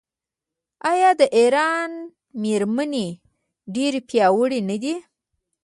آیا د ایران میرمنې ډیرې پیاوړې نه دي؟